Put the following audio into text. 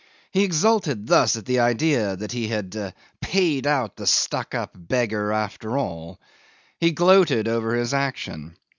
He exulted thus at the idea that he had "paid out the stuck up beggar after all." He gloated over his action.